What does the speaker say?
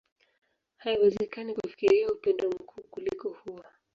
Haiwezekani kufikiria upendo mkuu kuliko huo.